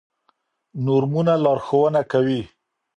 نورمونه لارښوونه کوي.